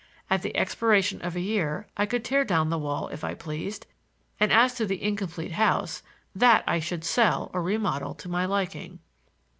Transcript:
At the expiration of a year I could tear down the wall if I pleased; and as to the incomplete house, that I should sell or remodel to my liking.